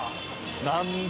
何だ？